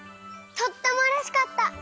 とってもうれしかった。